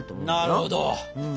なるほど。